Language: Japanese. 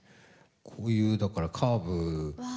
こういうだからカーブ切ってね。